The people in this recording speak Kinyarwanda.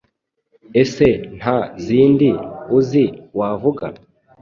Ese nta zindi uzi wavuga?